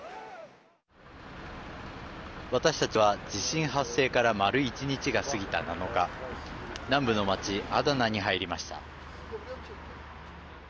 私たちは地震発生から丸１日が過ぎた７日南部の町アダナに入りました。